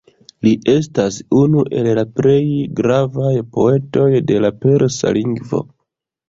Li estas unu el la plej gravaj poetoj de la persa lingvo.